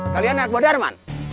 kalian anak bawa darman